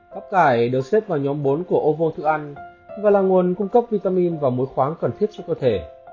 bắp cải được xếp vào nhóm bốn của ovo thức ăn và là nguồn cung cấp vitamin và mối khoáng cần thiết cho cơ thể